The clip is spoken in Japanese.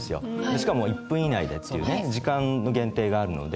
しかも一分以内でっていうね時間の限定があるので。